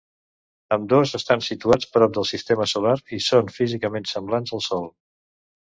Ambdós estan situats prop del sistema solar i són físicament semblants al sol.